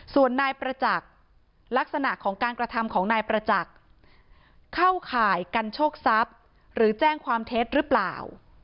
ส่วนนายประจักษ์ลักษณะของการกระทำของนายประจักษ์เข้าข่ายกันโชคทรัพย์หรือแจ้งความเท็จหรือเปล่า